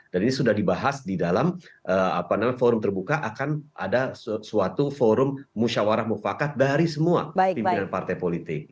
dan ini sudah dibahas di dalam forum terbuka akan ada suatu forum musyawarah mufakat dari semua pimpinan partai politik